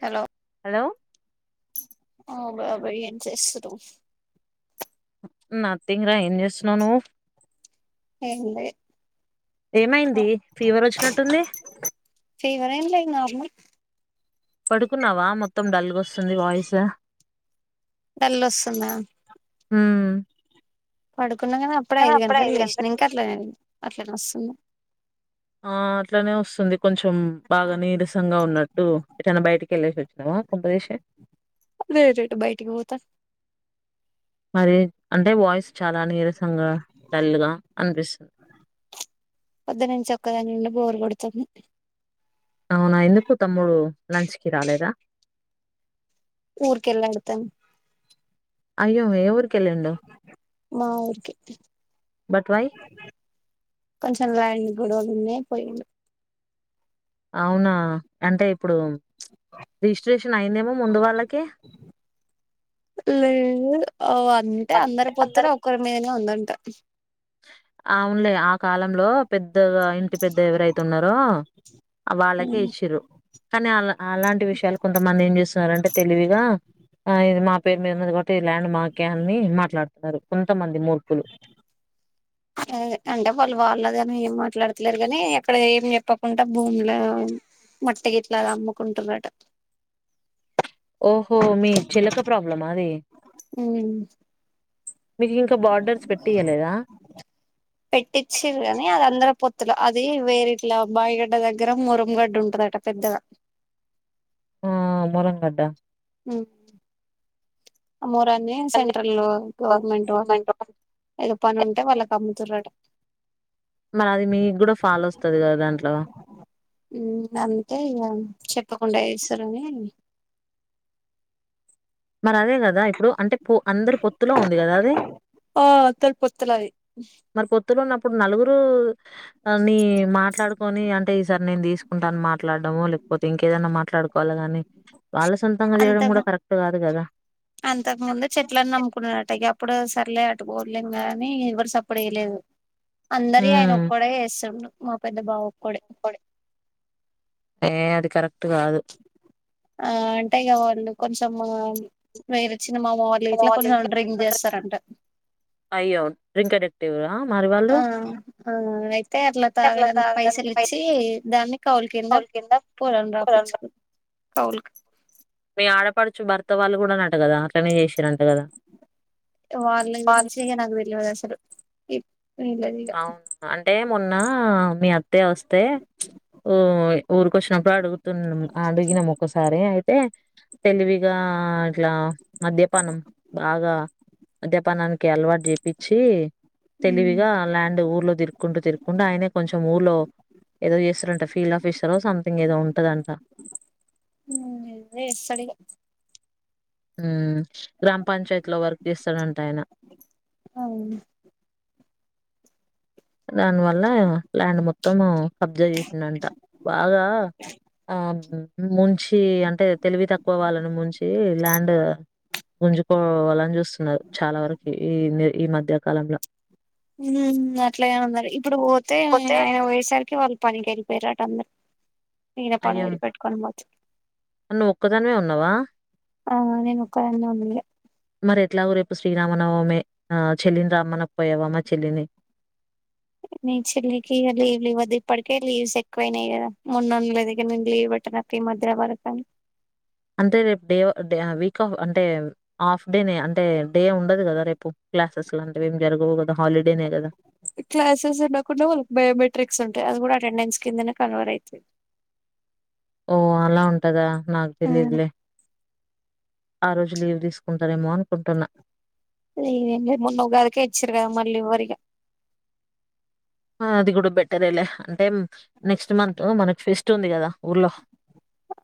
Hello hello ఓ బాబయా ఏం చేస్తరూ నథింగ్ రా ఏం చేస్తున్నావు నువ్వు ఏం లే ఏమైంది ఫీవర్ వచ్చినట్టుంది పడుకున్నావా మొత్తం డల్గా వస్తుంది వాయిస్ డల్ వస్తుంద పడుకున్నా కానీ అప్పుడు ఐదు గంటలకు లేసినా ఇంకా అట్లానే అట్లనే వస్తుందా ఆ అట్లానే వస్తుంది కొంచెం బాగా నీరసంగా ఉన్నట్టు ఎటైనా బయటికి కెళ్ళేసిస్చినవ కొంపదీసి నేను నెట్ బయటికి పోతా మరి అంటే వాయిస్ చాలా నీరసంగా డల్ గా అనిపిస్తుంది పొద్దునుంచి ఒక్కదాని బోరు కొడుతుంది అవునా ఎందుకు తమ్ముడు లంచ్ కి రాలేదా ఊర్కెకెళ్ళిడు అందుతం అయ్యో ఏ ఊరికి ఎళ్ళిండు మా ఊరికి కొంచెం లైన్ గు నిన్నే పోయిండు అవునా అంటే ఇప్పుడు రిజిస్ట్రేషన్ అయిందేమో ముందు వాళ్ళకి లేదు అంటే అందరి పొతునే ఒకరి మీదనే ఉందంట అవునులే ఆ కాలంలో పెద్దగా ఇంటి పెద్ద ఎవరైతే ఉన్నారో అ వాళ్ళకే ఇచ్చరు కానీ అలా అలాంటి విషయాలు కొంతమంది ఏం చేస్తున్నారంటే తెలివిగా ఆ ఇది మా పేరు మీద ఉన్నది కాబట్టి ఈ ల్యాండ్ మాకే అని మాట్లాడుతున్నారు కొంతమంది మూర్ఖులు అంటే వాళ్ళు వాళ్ళదని ఏం మాట్లాడతలేరు కానీ ఎక్కడ ఏం చెప్పకుండా భూముల మట్టి గిట్లా అలా అమ్ముకుంటున్నరట ఓహో మీ చెలక ప్రాబ్లమ్ అది మీకు ఇంకా బార్డర్స్ పెట్టి ఇయలేదా పెట్టిచ్చారు గాని అది అందరి పొత్తుల అది వేరిట్లా బాయిగడ్డ దగ్గర మురంగడ్డ ఉంటుందట పెద్దగా ఆ మొరంగడ్డ ఉ మూరాన్ని సెంట్రల్ గవర్నమెంట్ వాళ్ళు ఏదో పని ఉంటే వాళ్ళకి అమ్ముతుండ్రట మరి అది మీకు కూడా ఫాలో వస్తుది కదా దాంట్లో అంతే ఇగ చెప్పకుండా చెస్తర అని మరి అదే కదా ఇప్పుడు అంటే అందరి పొత్తులో ఉంది కదా అది పొత్తులది పోత్తుల ఉన్నప్పుడు నలుగురు మాట్లాడుకొని అంటే ఈసారి నేను తీసుకుంటాను మాట్లాడడము లేకపోతే ఇంకేదైనా మాట్లాడడం మాట్లాడుకోవడం గానీ వాళ్ళ సొంతంగా చేయడం కూడా కరెట్ అంతకు ముందు చెట్లలను నమ్ముకున్నడట అప్పుడు సర్లే అటుకోట్లేం గానీ ఎవ్వరు సపుడు వయలేదు అందరి ఆయన ఒక్కడే చేసాడు మా పెద్ద బావ ఒక్కడే ఏ అది కరెక్ట్ కాదు ఆ అంటే వాళ్లు కొంచెం వేరు చిన్న మామ వాళ్ళు ఇంట్లో కొంచెం డ్రింక్ చేస్తారంట ఆ ఆ అయితే అట్లా తాగడానికి పైసలి ఇచ్చి దానికి కౌల్కింద పొలం రాయించుకున్నారు కౌలుకి ఆడపడుచు భర్త వాళ్ళు కూడానట్ట కదా అట్నే చేసారంట కదా అట్లనే చేస్తారు అవును అంటే మొన్న మీ అత్త వస్తే ఊరికి వచ్చినప్పుడు అడుగుతున్నాం అడిగినాం ఒకసారి అయి అ తెలివిగా ఇట్లా మద్యపానం బాగా మద్యపానానికి అలవాటు చేప్పించి తెలివిగా అండ్ ఊర్లో తిరుకుంటూ తిరుక్కుంటూ ఆయనే కొంచెం ఊర్లో ఏదో చేస్తారంట ఫీల్డ్ ఆఫీసర్ సంథింగ్ ఏదో ఉంటదంట ఉ అదే చేస్తడిగా గ్రామ పంచాయతీ లో వర్క్ చేస్తాడంట ఆయన దాని వల్ల ల్యాండ్ మొత్తం కబ్జా చేసిండ అంట బాగా ఆ మంచి అంటే తెలివి తక్కువ వాళ్ళని ముంచి ల్యాండ్ గుంజుకోవాలని చూస్తున్నారు చాలా వరకు ఈ ఈ మధ్యకాలంలో ఉ అట్లాగ ఉన్నారు ఇప్పుడు పోతే ఆయన పోయేసరికి వాళ్ళు పనికి వెళ్లిపోయిందట ఈయన పని వదిలిపెట్టుకొని పోతే నువ్వు ఒక్కదనిమే ఉన్నావా ఆ నేను ఒక్కదాన్నే ఉండలే మరి ఎట్లా రేపు శ్రీరామనవమే ఆ చెల్లిని రామ్మన పోయావా మా చెల్లిని మీ చెల్లికి లీవ్ లెక్కువైనయ్ లీవ్స్ ఎక్కువైనాయి కదా మొన్నంద లే దగ్గర లీవ్ పెట్టటిన వరకు అని అంటే రేపు డే వీక్ ఆఫ్ అంటే హాఫ్ డే అంటే డే ఉండదు కదా రేపు క్లాసెస్ అవి ఏం జరగదు క్లాసెస్ ఈవ కుడా వా బయోమెట్రిక్స్ ఉంటాయి అది కూడా అటెండెన్స్ కిందనే కనబడైతే ఓ అలా ఉంటదా నాకు తెలీదులే ఆ రోజు లీవ్ తీసుకుంటారేమో అనుకుంటున్నా మొన్న ఉగాదికే ఇచ్చారు కదా లేవు మల్ల ఇవ్వరు అది కూడా బెటర్లే అంటే నెక్స్ట్ మంత్ మనకు ఫెస్ట్ ఉంది కదా ఊర్లో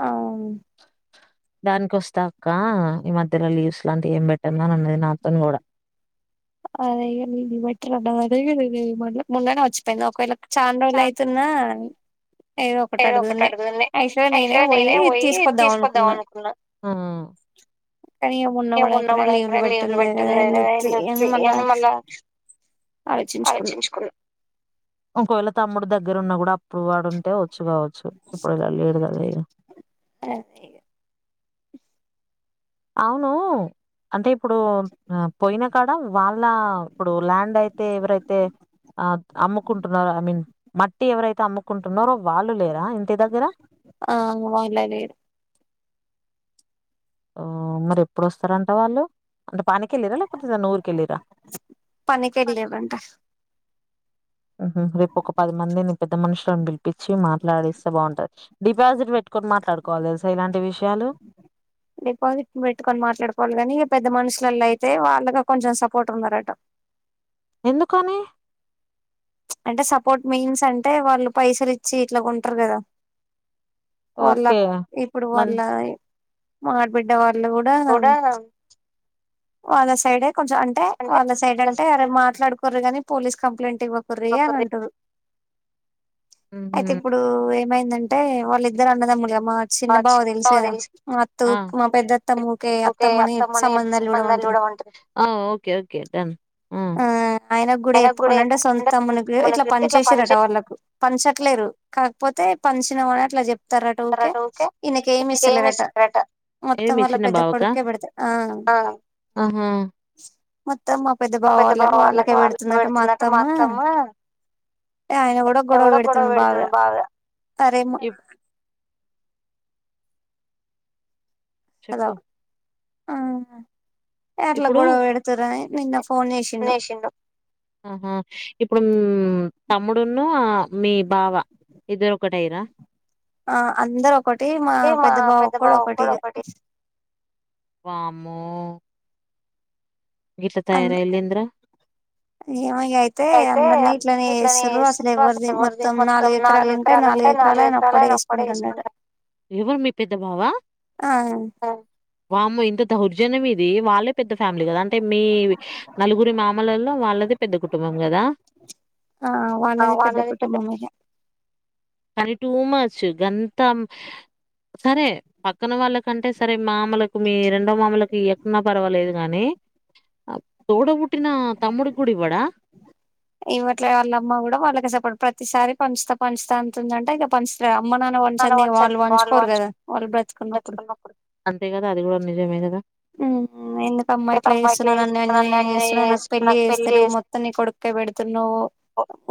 ఆ ఉంది దానికి వస్తా అక్క ఈ మధ్యలో లీవ్స్ అట్లాంటివి ఏం పెట్టను అన్నది నాతోని కూడా అదే ఇగా లీవ్ పెట్టారబ్బా అదే గదా ఇగా మొన్ననే వచ్చి పోయింది ఒకవేళ చానరోజులు అయితున్నా ఏదో ఒకటి అడుగుదాం లే ఐశ్వర్ నేనే పోయి తీసుకొద్దాం అనుకున్నాం మేము ఉన్న కూడా అక్కడ లీవ్లు పెట్టింది అని మళ్ళా ఆలోచించుకున్నాం ఒకవేళ తమ్ముడు దగ్గర ఉన్న కూడా అప్పుడు వాడుంటే వచ్చు కావచ్చు ఇప్పుడు వాడు లేడు కదా అలాగే అవును అంటే ఇప్పుడు పోయినా క్కడ వాళ్ళ ఇప్పుడు ల్యాండ్ అయితే ఎవరైతే ఆ అమ్ముకుంటున్నారో ఐ మీన్ మట్టి ఎవరైతే అమ్ము కుంటున్నరో వాళ్ళు లేరా ఇంటి దగ్గర ఆ మరి ఎప్పుడోస్తారంట వాళ్ళు అంత పనికెళ్లిరా లేకపోతే ఏదన్నా ఊరికెళ్ళరా మ్మ్ హ్హ్ రేపు ఒక పది మందిని పెద్ద మనుషులు పిలిపించి మాట్లాడిస్తే బాగుంటుంది డిపాజిట్ పెట్టుకొని మాట్లాడుకోవాలి తెల్సా డిపాజిట్ పెట్టుకొని మాట్లాడుకోవాలి కాని ఇక పెద్ద మనుషులు అయితే వాళ్ళకే కొంచెం సపోర్ట్ ఉన్నారట ఎందుకని అంటే సపోర్ట్ మీన్స్ అంటే వాళ్ళు పైసలు ఇచ్చి ఇట్లా కొంటారు కదా వాళ్ళ ఇప్పుడు వాళ్ళ బిడ్డ వాళ్ళు కూడా వాళ్ళ సైడే కొంచెం అంటే వాళ్ళ సైడ్ అంటే అరె మాట్లాడుకోరుగానీ పోలీస్ కంప్లైంట్ ఇవ్వ కుర్రి అంటడు అయితే ఇప్పుడు ఏమైందంటే వాళ్లు ఇద్దరు అన్నదమ్ములు మా చిన్న బావ తెలుసు కదా మా అత్త మా పెద్ద అత్తమ్మ ఊకే అత్తమ్మని సంబంధాలు చూడమంట్ చూడమంటున్రు ఆ ఆయనకు కూడా చెప్పకుండా అంటే సొంత తమ్ములకు ఇట్లా పని చేేసిరట వాళ్ళకు పంచట్లేరు కాకపోతే పంచినామని అట్లా చెప్తారట ఊకే ఇనకేమి ఇస్తలేరట మొత్తం వాళ్ళ పెద్ద కొడుక్కే పెడుతడు ఆ మ్మ్ హ్హ్ మొత్తం మా పెద్ద బావ వాళ్ళకి వాళ్ళకే పెడుతుందట మా అత్తమ్మ ఆయన కూడా గొడవ పెడుతుండు బాగా అరే మా చెప్పు హ్హ్ అట్లా గొడవ పెడుతారని నిన్న అనేషిండు తమ్ముడున్న మీ బావ ఇద్దరు ఒకటాయ్యరా ఆ అందరు ఒకటి మా పెద్ద బావ ఒక్కడు ఒకటిగా వామ్మో గిట్లా తయారైన్లు ఏందిరా అయితే ఇట్లనే ఏసిన్రు అసలు ఎవరిది మొత్తం నాలుగు ఎకరాలు ఉంటది నాలుగు ఎకరాలు అయన ఒక్కడే వేసుకుంటున్నాడు ఎవరు మీ పెద్ద బావా వామ్మో దౌర్జన్యం ఇది వాళ్ళే పెద్ద ఫ్యామిలీ కదా అంటే మీ నలుగురి మామలలో వాళ్ళదిపెద్ద కుటుంబం కదా ఆ వాళ్ళది పెద్ద కుటుంబమునే కానీ టూ మచ్ గంత సరే పక్కన వాళ్ళ కంటే సరే మామలకు మీ రెండో మామలకి ఎట్టున్న పర్వాలేదు కాని తోడబొట్ ఇవట్ల వాళ్ళ అమ్మ కూడా వాళ్ళకి సపోర్ట్ ప్రతిసారి పంచుత పంచుత అంటుందంటా ఇక పంచాలే అమ్మ నాన్న పంచనిది వాళ్ళు పంచుకోరు కదా వాళ్ళు బ్రతికున్నప్పుడు అది కూడ నిజమే కదా మ్మ్ ఎందుకమ్మా ఇట్లా చేస్తున్నావ్ నన్ని అన్యాయం చేస్తున్నావ్ నాకు పెళ్ళి చేస్తాలేవు మొత్తం నీ కొడుక్కె పెడుతున్నావ్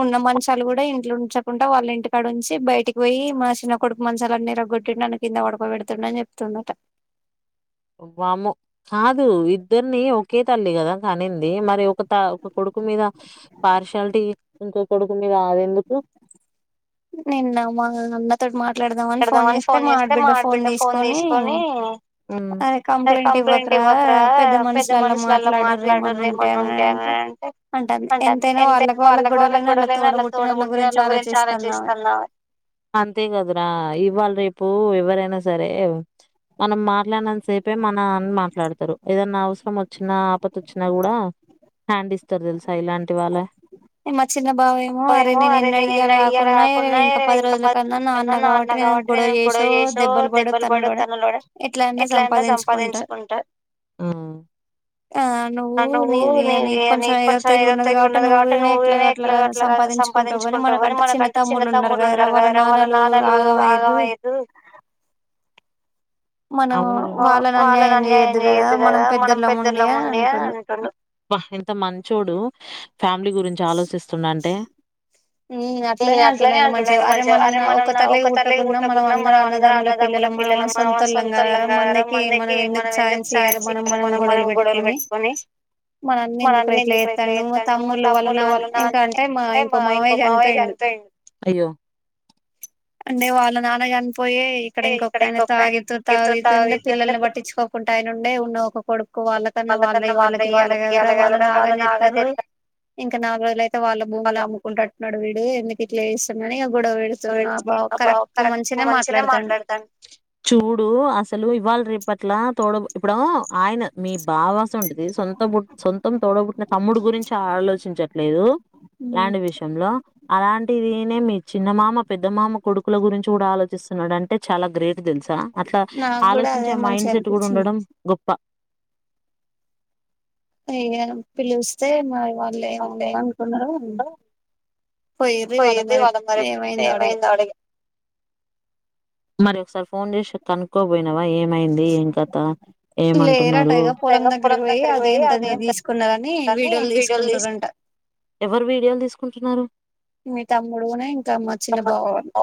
ఇంకా మనిషికి కూడా ఇంట్లోనే ఉంచకుండా వాళ్ళ ఇంటికాడుంచి బయటికి పోయి మా చిన్న కొడుకు మంచాలన్నీ విరగ్గొట్టిండు అన్ని కింద పడ్డాయి పడుకో పెడుతుండు అని చెప్తుందంటా వామ్మో కాదు ఇద్దరిని ఒకే తల్లి కదా అనింది మరి ఒక త ఒక కొడుకు మీద పార్షాలిటీ ఇంకొ కొడుకు మిద అది ఎందుకు నిన్న మాయమ్మా తోటి మాట్ తిడదామని ఫోన్ చేస్తే మా బిడ్డ ఫోన్ తీసుకొని కంప్లైంట్ ఇవ్యాకురా పెద్ద మనుషులలో మాట్లాడుర్రి ఏమన్నా ఉంటే అని అంటే అంటన్డ్ ఎంత వాళ్ళకు వాళ్ళ గొడవలున్నా తోడబుట్టిన వాళ్ళ గురించి అంతే కదురా ఇవ్వాల రేపు ఎవరైనా సరే మనం మాట్లాడినాంత సేపే మన అని మాట్లాడతారు ఏదన్నా అవసరం వచ్చినా ఆపద వచ్చినా కూడా హ్యాండ్ ఇస్తారు తెలుసా ఇలాంటి వాళ్ళే చెప్పాలేమో అరే నేను [unintelligible] ఎన్ని ఇయాల కాకున్నా ఇంకా ఎంతన్న నాన్న కాబట్టి నేను గొడవ చేసో దెబ్బలు పడొ తున్నలు పడొ ఎట్లాన్నా సంపాదించుకుంటా నువ్వు నీది నీ కొంచెం ఏదో తెలివి ఉన్నది కాబట్టి నువ్వు నిన్నే ఎట్లో గట్లాగా సంపాదించుకుంటా కాని మనకంటే చిన్న తమ్ములు ఉన్నారు కదా రా వాళ్ళ నాన్నలు రాయదు వాళ్ళని అన్యాయం చేయొద్దు కదా మనం పెద్దల్లొము ఉండి అబ్బ ఇంత మంచోడు ఫ్యామిలీ గురించి ఆలోచిస్తున్నాడు అంటే మ్మ్ మ్మ్ అట్లానే అంటున్నాండే మంచిగా అరే మనం ఒక తల్లికి పుట్టుకున్నా మనం అందరం అన్నదమ్ముల పిల్లలము సొంతల్లం కదరా మందికి మనం ఎందుకు చాన్స్ ఇయ్యాలి మనం మనం గొడవలు పెట్టుకొని మన అన్న ఎందుకురా ఇట్లా చేత్తాండు తమ్ముళ్లు వాళ్ళు నాన్న ఇంకా అంటే మా ఇంక మామయ్య చనిపోయిండు అంటే వాళ్ళ నాన్న పోయే ఇక్కడ ఇంకొక ఆయన తాగుతూ తాగుతుండే పిల్లల్ని పట్టించుకోకుండా ఆయన ఉండే ఉన్న ఒక కొడుకు వాళ్ళకన్నా వాళ్ళే వాళ్ళకి ఇవ్వాలి కదా రా వాళ్ళని ఆగం చేత్తరు ఇంకా నాలురోజుల అయితే వాళ్ళ భూములు అమ్ముకుంటున్నట్టు వీడు ఎందుకు ఇట్లా చేస్తున్నాడొ ఏమో చూడు అసలు ఇవ్వాల రేపటిలో ఇట్లా తోడ ఇప్పుడ ఆయన మీ బావసుంటుంది సొంతం బుట్ సొంతం తోడబుట్టిన తమ్ముడు గురించి ఆలోచించట్లేదు ల్యాండ్ విషయంలో అలాంటిదినే మీ చిన్నమామ పెద్ద మామ కొడుకుల గురించి కూడా ఆలోచిస్తున్నాడు అంటే చాలా గ్రేట్ అట్లా ఆలోచించే మైండ్ సెట్ కూడా ఉండడం గొప్ ప ఎవని పిలుస్తే మరివాళ్ళు ఏమో అని అనుకున్నారో ఏమో పోయిర్రి వళ్ళ మరి ఏమైందో అడిగా మరి ఒకసారి ఫోన్ చేసి కనుక్కోబోయి మళ్ళా ఏమైంది ఏం కథ ఏమంటున్నారొ అని వీడియోలు తీసుకుంటురంట, ఎవరు వీడియోలు తీసుకుంటున్నారు. మీ తమ్ముడునీ ఇంకా మా చిన్న బావ ని